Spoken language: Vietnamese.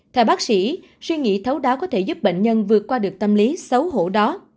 theo bác sĩ suy nghĩ thấu đáo có thể giúp bệnh nhân vượt qua được tâm lý xấu hổ đó